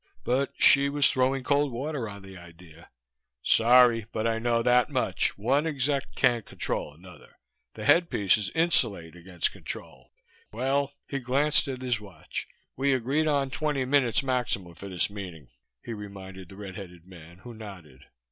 But Hsi was throwing cold water on the idea. "Sorry, but I know that much: One exec can't control another. The headpieces insulate against control. Well." He glanced at his watch. "We agreed on twenty minutes maximum for this meeting," he reminded the red headed man, who nodded.